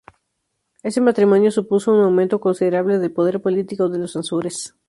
Este matrimonio, supuso un aumento considerable del poder político de los Ansúrez.